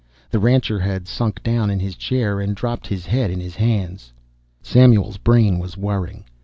The rancher had sunk down in his chair, and dropped his head in his hands. Samuel's brain was whirring.